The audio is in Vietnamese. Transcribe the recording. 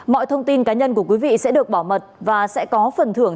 mọi thông tin cá nhân của quý vị sẽ được bảo mật và sẽ có phần thưởng